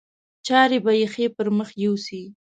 چارې به ښې پر مخ یوسي.